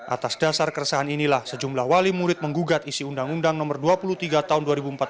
atas dasar keresahan inilah sejumlah wali murid menggugat isi undang undang no dua puluh tiga tahun dua ribu empat belas